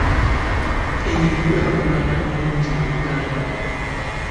Enkulaakulana nnungi mu Uganda.